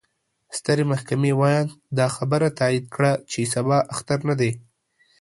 ستر محكمې وياند: دا خبره تايد کړه، چې سبا اختر نه دې.